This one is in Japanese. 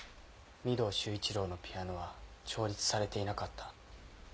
御堂周一郎のピアノは調律されていなかった。